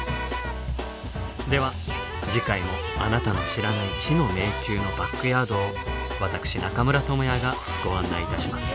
では次回もあなたの知らない「知の迷宮」のバックヤードを私中村倫也がご案内いたします。